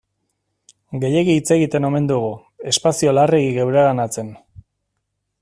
Gehiegi hitz egiten omen dugu, espazio larregi geureganatzen.